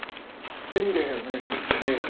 デミでお願いします。